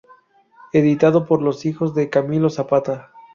Editado por Los Hijos de Camilo Zapata.